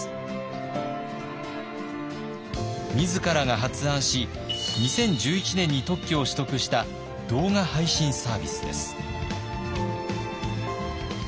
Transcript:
自らが発案し２０１１年に特許を取得した動画配信サービスです。